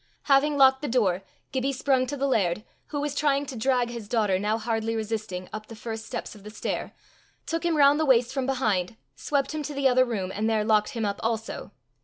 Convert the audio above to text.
Having locked the door, Gibbie sprung to the laird, who was trying to drag his daughter, now hardly resisting, up the first steps of the stair, took him round the waist from behind, swept him to the other room, and there locked him up also.